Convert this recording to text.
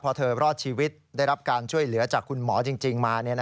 พอเธอรอดชีวิตได้รับการช่วยเหลือจากคุณหมอจริงมา